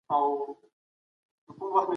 قربانو زړه مـي خپه دى دا څو عمـر